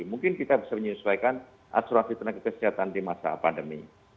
mungkin kita bisa menyesuaikan asuransi tenaga kesehatan di masa pandemi